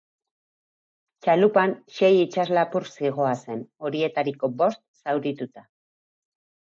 Txalupan sei itsas-lapur zihoazen, horietariko bost zaurituta.